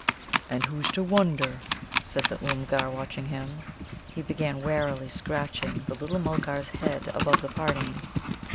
"And who's to wonder?" said the Oomgar, watching him. He began warily scratching the little Mulgar's head above the parting.